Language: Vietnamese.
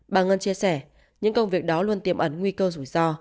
bà ngân chia sẻ những công việc đó luôn tiềm ẩn nguy cơ rủi ro